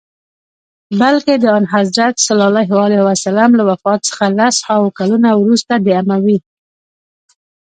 بلکه د آنحضرت ص له وفات څخه لس هاوو کلونه وروسته د اموي.